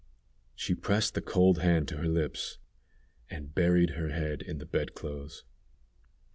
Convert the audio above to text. She pressed the cold hand to her lips, and buried her head in the bed clothes.